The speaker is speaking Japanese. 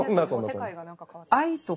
世界がなんか変わった。